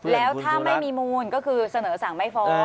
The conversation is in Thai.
แล้วถ้าไม่มีมูลก็คือเสนอสั่งไม่ฟ้อง